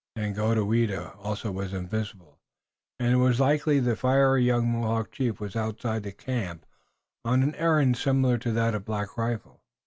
Daganoweda also was invisible and it was likely that the fiery young Mohawk chief was outside the camp on an errand similar to that of Black Rifle.